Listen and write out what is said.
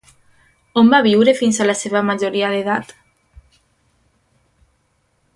On va viure fins a la seva majoria d'edat?